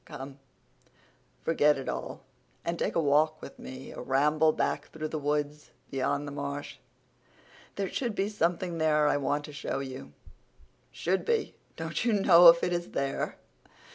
Come, forget it all and take a walk with me—a ramble back through the woods beyond the marsh. There should be something there I want to show you." "Should be! Don't you know if it is there?"